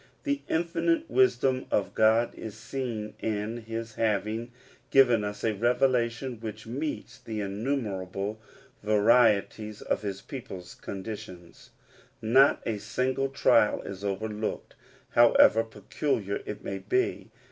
The infinite wisdom of God is seen in his having given us a revelation which meets the innumerable varieties of his people's conditions. Not a single trial is overlooked, however peculiar it may be.